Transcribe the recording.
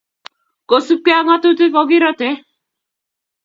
kosubgei ak ng'atutik ko kirotei